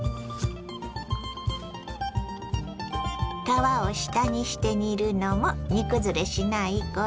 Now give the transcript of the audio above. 皮を下にして煮るのも煮崩れしないコツ。